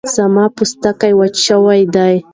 زما پوستکی وچ شوی دی